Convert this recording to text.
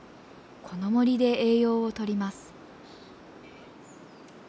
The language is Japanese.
この森で栄養をとります。